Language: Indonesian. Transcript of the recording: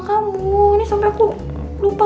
kamu ini sampe aku lupa